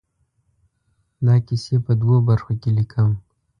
دا کیسې په دوو برخو کې ليکم.